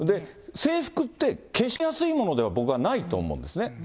制服って決して安いものでは、僕はないと思うんですね。